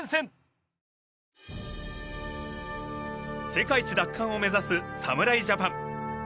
世界一奪還を目指す侍ジャパン。